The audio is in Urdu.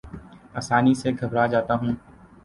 آسانی سے گھبرا جاتا ہوں